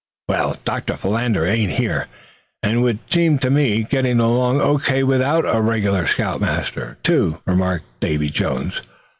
"Well, Doctor Philander ain't here, and we seem to be getting along O. K. without a regular scout master, too," remarked Davy Jones.